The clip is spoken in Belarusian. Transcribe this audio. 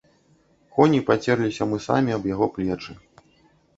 Коні пацерліся мысамі аб яго плечы.